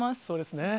そうですね。